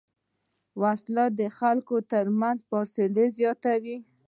وسله د خلکو تر منځ فاصله زیاتوي